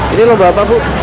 ini lomba apa bu